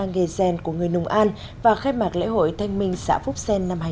nghề rèn của người nùng an và khép mạc lễ hội thanh minh xã phúc xen năm hai nghìn một mươi chín